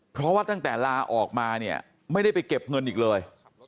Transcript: เพราะว่าตั้งแต่ลาออกมาเนี่ยไม่ได้ไปเก็บเงินอีกเลย